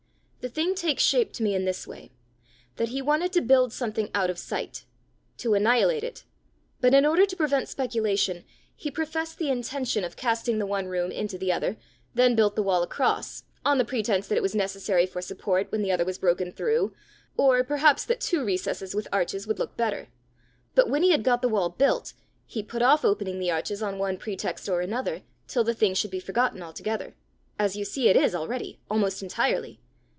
"The thing takes shape to me in this way: that he wanted to build something out of sight to annihilate it; but in order to prevent speculation, he professed the intention of casting the one room into the other; then built the wall across, on the pretence that it was necessary for support when the other was broken through or perhaps that two recesses with arches would look better; but when he had got the wall built, he put off opening the arches on one pretext or another, till the thing should be forgotten altogether as you see it is already, almost entirely!